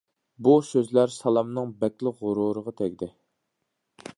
بۇ سۆزلەر سالامنىڭ بەكلا غۇرۇرىغا تەگدى.